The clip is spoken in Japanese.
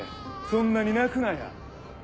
そんなに泣くなや。